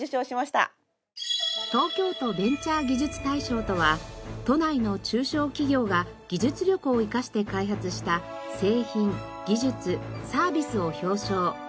東京都ベンチャー技術大賞とは都内の中小企業が技術力を生かして開発した製品技術サービスを表彰支援するものです。